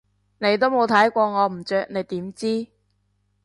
你都冇睇過我唔着你點知？